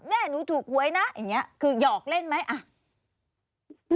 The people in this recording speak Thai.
แม่หนูถูกหวยนะอย่างนี้คือหยอกเล่นไหมอ่ะ